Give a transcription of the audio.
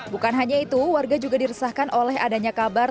bukan hanya itu warga juga diresahkan oleh adanya kabar